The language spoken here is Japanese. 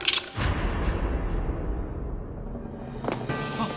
あっ！